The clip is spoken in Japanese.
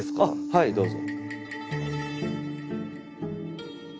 はいどうぞ。